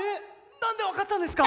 なんで分かったんですか